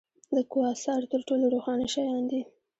د کواسار تر ټولو روښانه شیان دي.